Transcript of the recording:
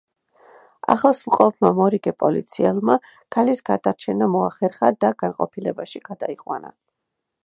ახლოს მყოფმა მორიგე პოლიციელმა ქალის გადარჩენა მოახერხა და განყოფილებაში გადაიყვანა.